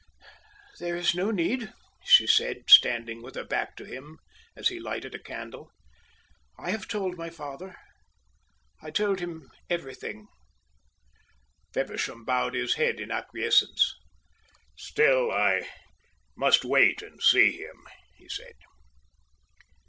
"There is no need," she said, standing with her back to him as she lighted a candle, "I have told my father. I told him everything." Feversham bowed his head in acquiescence. "Still, I must wait and see him," he said.